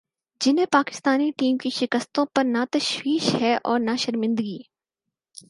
جنہیں پاکستانی ٹیم کی شکستوں پر نہ تشویش ہے اور نہ شرمندگی